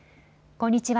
こんにちは。